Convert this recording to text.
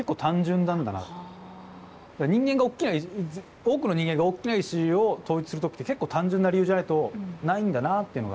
多くの人間が大きな意思を統一する時って結構単純な理由じゃないとないんだなあっていうのが。